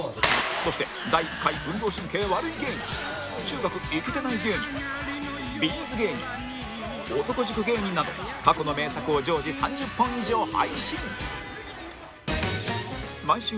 そして第１回運動神経悪い芸人中学イケてない芸人 Ｂ’ｚ 芸人男塾芸人など過去の名作を常時３０本以上配信